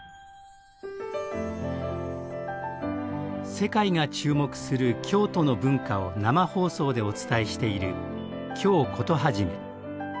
世界が注目する京都の文化を生放送でお伝えしている「京コトはじめ」。